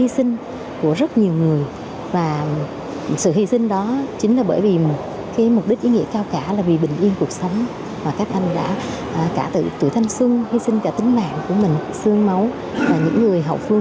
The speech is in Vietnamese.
xứng đáng kinh doanh hai lần anh hùng